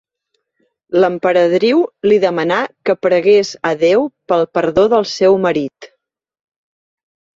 L'emperadriu li demanà que pregués a Déu pel perdó del seu marit.